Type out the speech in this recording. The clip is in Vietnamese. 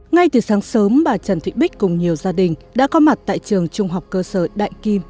ngay từ sáng sớm bà trần thụy bích cùng nhiều gia đình đã có mặt tại trường trung học cơ sở đại kim